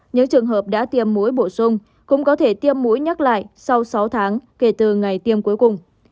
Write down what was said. những trường hợp đã tiêm mũi bổ sung cũng có thể tiêm mũi nhắc lại sau sáu tháng kể từ ngày tiêm cuối cùng